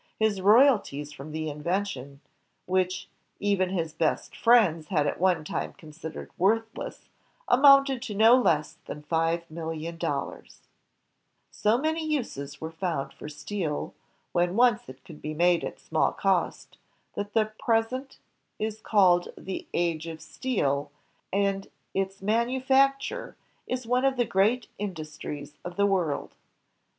His royalties from the invention, which even his l84 INVENTIONS OF MANUFACTURE AND PRODUCTION best friends had at one time considered worthless, amounted to no less than five million dollars. So many uses were found for steel, when once it could be made at small cost, that the present is called the "Age of Steel," and its manufacture is one of the great indus tries of the world.